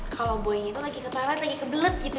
kalau boynya tuh lagi kepalet lagi kebelet gitu